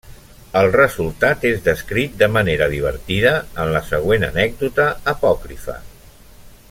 El resultat és descrit de manera divertida en la següent anècdota apòcrifa.